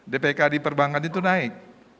dpk di perbankan itu naik